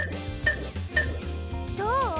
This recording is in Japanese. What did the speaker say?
どう？